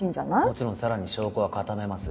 もちろんさらに証拠は固めます。